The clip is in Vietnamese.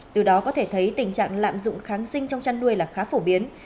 từ đó có thể thấy tình trạng lạm dụng kháng sinh trong chăn nuôi là khá phổ biến